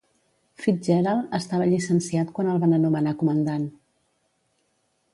FitzGerald estava llicenciat quan el van anomenar comandant.